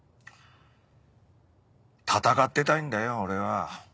闘ってたいんだよ俺は。